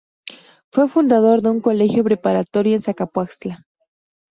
Fue fundador de un Colegio Preparatorio en Zacapoaxtla.